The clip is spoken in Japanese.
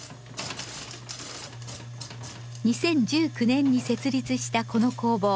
２０１９年に設立したこの工房。